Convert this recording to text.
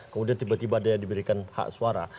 kemudian tiba tiba ada yang diberikan hak suara